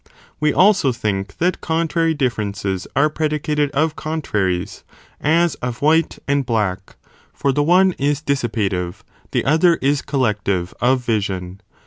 We also think that con trary differences are predicated of contraries, as of white and black, for the one is dissipative, the other is collective of vision.